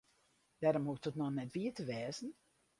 Dêrom hoecht it noch net wier te wêzen.